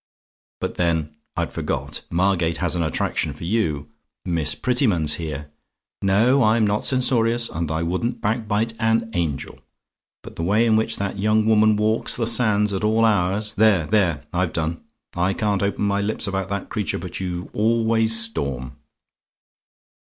But then, I'd forgot; Margate has an attraction for you Miss Prettyman's here. No; I'm not censorious, and I wouldn't backbite an angel; but the way in which that young woman walks the sands at all hours there! there! I've done: I can't open my lips about that creature but you always storm.